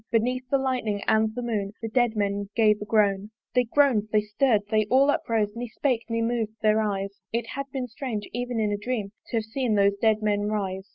Beneath the lightning and the moon The dead men gave a groan. They groan'd, they stirr'd, they all uprose, Ne spake, ne mov'd their eyes: It had been strange, even in a dream To have seen those dead men rise.